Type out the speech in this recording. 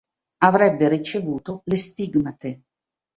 Avrebbe ricevuto le stigmate.